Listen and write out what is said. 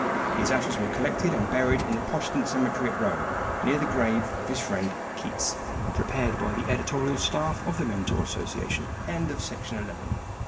His ashes were collected and buried in the Protestant cemetery at Rome, near the grave of his friend Keats. PREPARED BY THE EDITORIAL STAFF OF THE MENTOR ASSOCIATION ILLUSTRATION FOR THE MENTOR, VOL. 1. No. 44. SERIAL No.